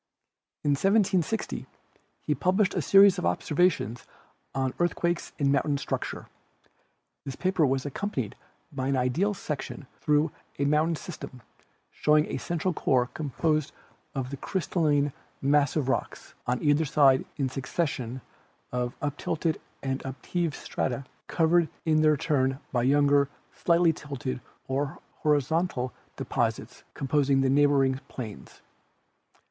In 1760 he published a series of observations on earth quakes and mountain structure. This paper was accom panied by an ideal section through a mountain system, showing a central core composed of the crystalline massive rocks, on either side a succession of uptilted and upheaved strata covered in their turn by younger, slightly tilted or horizontal deposits composing the neighboring plains.